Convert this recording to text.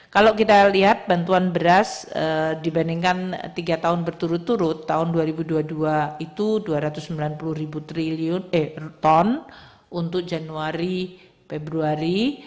kalau kita lihat bantuan beras dibandingkan tiga tahun berturut turut tahun dua ribu dua puluh dua itu rp dua ratus sembilan puluh ribu triliun ton untuk januari februari